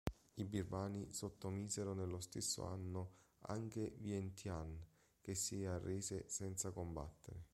I birmani sottomisero nello stesso anno anche Vientiane, che si arrese senza combattere.